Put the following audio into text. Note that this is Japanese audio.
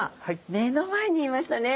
目の前にいましたね。